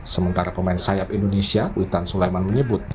sementara pemain sayap indonesia witan sulaiman menyebut